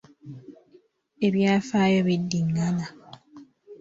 Ebyafaayo bidingana.